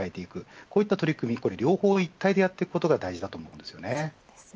こういった取り組み両方一体でやっていくことが大事だと思うんですね。